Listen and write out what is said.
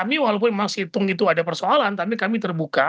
kami tidak pernah menghentikan proses hitung itu ada persoalan tapi kami terbuka